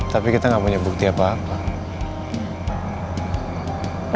tapi kita nggak punya bukti apa apa